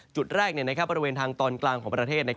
จุดแรกบริเวณทางตอนกลางของประเทศ